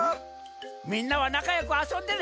みんなはなかよくあそんでね。